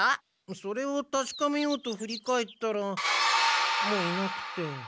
それをたしかめようとふり返ったらもういなくて。